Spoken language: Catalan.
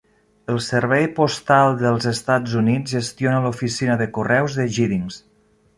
El servei postal dels Estats Units gestiona l'oficina de correus de Giddings.